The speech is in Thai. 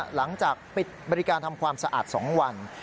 หลังจากปิดบริการทำความสะอาด๒วัน